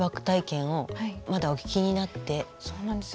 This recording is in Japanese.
そうなんです。